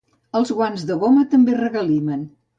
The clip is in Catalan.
Els guants de goma també regalimen.